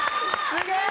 すげえ！